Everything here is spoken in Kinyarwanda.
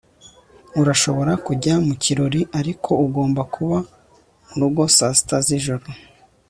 urashobora kujya mu kirori, ariko ugomba kuba murugo saa sita z'ijoro